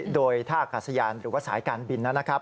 โดยท่าอากาศยานหรือว่าสายการบินนะครับ